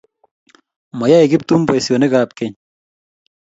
Mayoe Kiptum poisyonik ap keny.